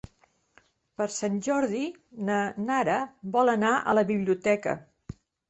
Per Sant Jordi na Nara vol anar a la biblioteca.